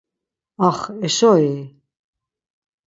Ax, eşoi?